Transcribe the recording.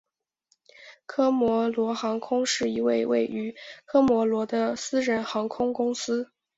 科摩罗航空是一间位于科摩罗的私人航空公司。